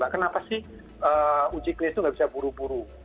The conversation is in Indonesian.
kenapa sih uji klinis itu nggak bisa buru buru